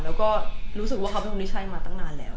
และรู้สึกว่าเขาไม่คงได้ใช้มาตั้งนานแล้ว